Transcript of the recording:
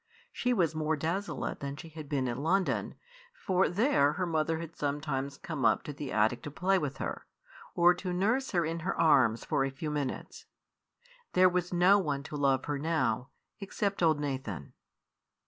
She was more desolate than she had been in London; for there her mother had sometimes come up to the attic to play with her, or to nurse her in her arms for a few minutes. There was no one to love her now, except old Nathan.